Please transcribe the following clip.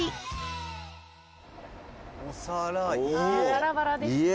「バラバラですね」